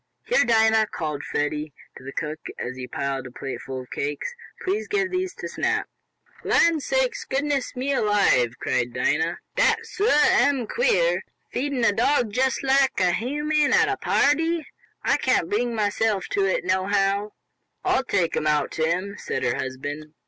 "Here, Dinah!" called Freddie to the cook, as he piled a plate full of cakes. "Please give these to Snap." "Land sakes goodness me alive!" cried Dinah. "Dat suah am queer. Feedin' a dog jest laik a human at a party. I can't bring mahself to it, nohow." "I'll take 'em out to him," said her husband.